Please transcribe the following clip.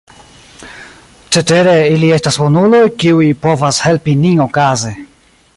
Cetere, ili estas bonuloj, kiuj povas helpi nin okaze.